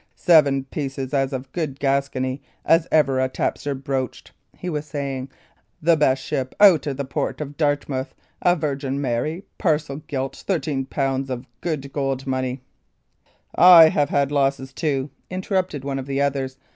"Seven pieces of as good Gascony as ever a tapster broached," he was saying, "the best ship out o' the port o' Dartmouth, a Virgin Mary parcel gilt, thirteen pounds of good gold money " "I have bad losses, too," interrupted one of the others.